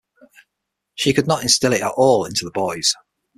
She could not instil it at all into the boys.